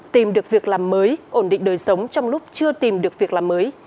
tìm được việc làm mới ổn định đời sống trong lúc chưa tìm được việc làm mới